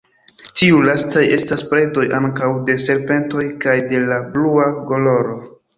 Tiuj lastaj estas predoj ankaŭ de serpentoj kaj de la Blua garolo.